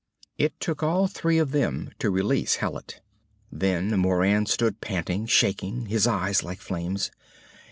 It took all three of them to release Hallet. Then Moran stood panting, shaking, his eyes like flames.